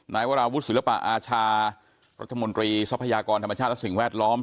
วราวุฒิศิลปะอาชารัฐมนตรีทรัพยากรธรรมชาติและสิ่งแวดล้อม